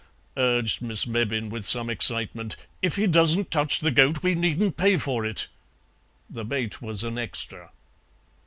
urged Miss Mebbin with some excitement; "if he doesn't touch the goat we needn't pay for it." (The bait was an extra.)